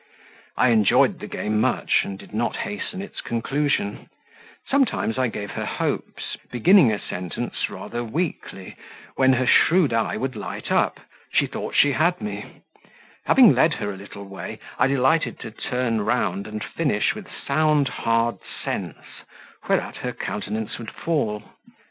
I enjoyed the game much, and did not hasten its conclusion; sometimes I gave her hopes, beginning a sentence rather weakly, when her shrewd eye would light up she thought she had me; having led her a little way, I delighted to turn round and finish with sound, hard sense, whereat her countenance would fall.